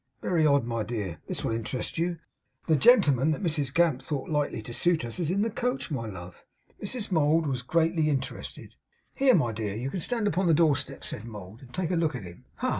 Very odd. My dear, this will interest you. The gentleman that Mrs Gamp thought likely to suit us is in the coach, my love.' Mrs Mould was greatly interested. 'Here, my dear. You can stand upon the door step,' said Mould, 'and take a look at him. Ha!